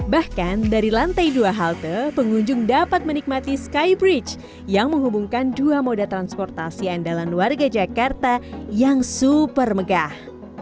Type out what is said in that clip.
bahkan dari lantai dua halte pengunjung dapat menikmati skybridge yang menghubungkan dua moda transportasi andalan warga jakarta yang super megah